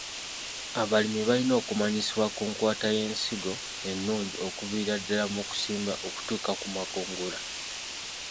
Abalimi balina okumanyisibwa ku nkwata y'ensigo ennungi okuviira ddala mu kusimba okutuuka ku makungula.